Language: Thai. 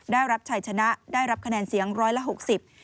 ได้รับชัยชนะได้รับคะแนนเสียงร้อยละหกสิบ